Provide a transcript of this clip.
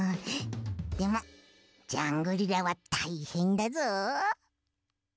でもジャングリラはたいへんだぞ。